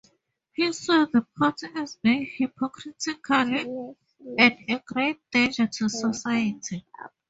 He saw the party as being hypocritical and a great danger to society.